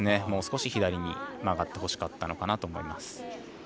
もう少し左に曲がってほしかったんだと思います。